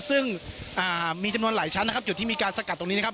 ซึ่งมีจำนวนหลายชั้นนะครับจุดที่มีการสกัดตรงนี้นะครับ